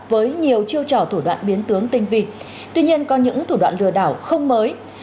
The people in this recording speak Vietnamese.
với nhiều chiêu trò thủ đoạn biến tướng tinh vị tuy nhiên có những thủ đoạn lừa đảo không mới